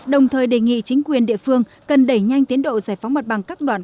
đồng thời đề nghị chính quyền địa phương cần đẩy nhanh tiến độ giải phóng mặt bằng các đoạn